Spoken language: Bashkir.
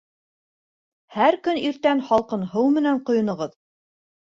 Һәр көн иртән һалҡын һыу менән ҡойоноғоҙ